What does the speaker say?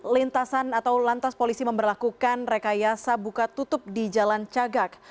lintasan atau lantas polisi memperlakukan rekayasa buka tutup di jalan cagak